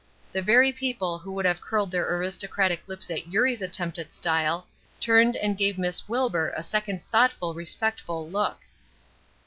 The very people who would have curled their aristocratic lips at Eurie's attempt at style, turned and gave Miss Wilbur a second thoughtful respectful look.